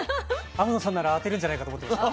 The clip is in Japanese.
天野さんなら当てるんじゃないかと思ってました。